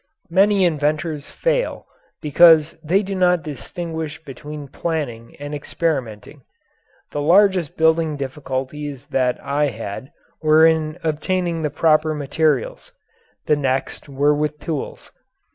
Many inventors fail because they do not distinguish between planning and experimenting. The largest building difficulties that I had were in obtaining the proper materials. The next were with tools.